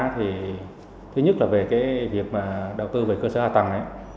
thứ nhất là việc đầu tư về cơ sở hạ tầng